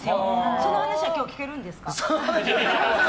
その話は今日聞けるんですか？